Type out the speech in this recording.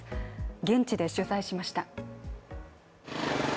現地で取材しました。